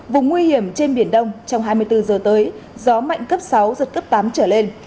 vùng nguy hiểm trên biển đông trong hai mươi bốn giờ tới gió mạnh cấp sáu giật cấp tám trở lên